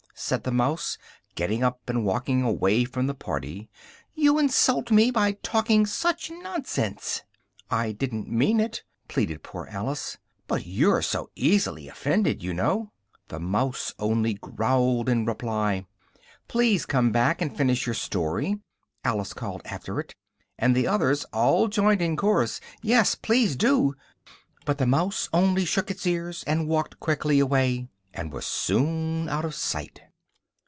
said the mouse, getting up and walking away from the party, "you insult me by talking such nonsense!" "I didn't mean it!" pleaded poor Alice, "but you're so easily offended, you know." The mouse only growled in reply. "Please come back and finish your story!" Alice called after it, and the others all joined in chorus "yes, please do!" but the mouse only shook its ears, and walked quickly away, and was soon out of sight.